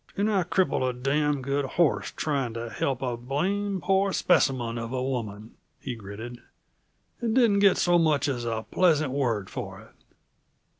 "And I crippled a damned good horse trying to help a blamed poor specimen of a woman!" he gritted. "And didn't get so much as a pleasant word for it.